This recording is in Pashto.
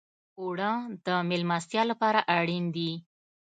اوړه د میلمستیا لپاره اړین دي